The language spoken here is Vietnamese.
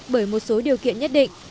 bởi một số điều kiện nhất định